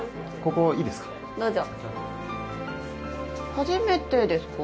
初めてですか？